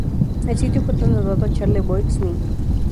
El sitio fue trasladado a Charlevoix, Mi.